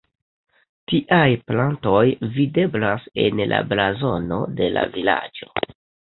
Tiaj plantoj videblas en la blazono de la vilaĝo.